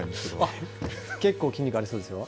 結構筋肉ありそうですよ。